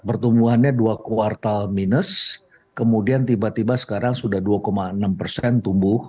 pertumbuhannya dua kuartal minus kemudian tiba tiba sekarang sudah dua enam persen tumbuh